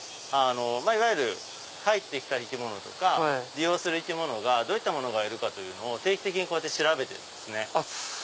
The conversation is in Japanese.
いわゆる入って来た生き物とか利用する生き物がどういったものがいるかを定期的に調べてるんです。